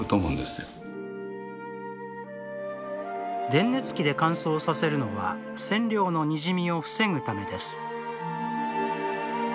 電熱器で乾燥させるのは染料のにじみを防ぐためです